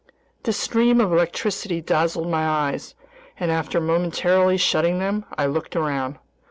This stream of electricity dazzled my eyes, and after momentarily shutting them, I looked around.